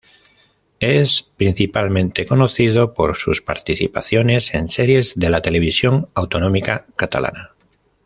Es principalmente conocido por sus participaciones en series de la televisión autonómica catalana.